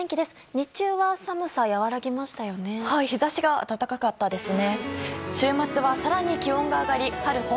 日中は寒さ和らぎましたよね。